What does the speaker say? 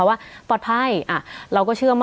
สวัสดีครับทุกผู้ชม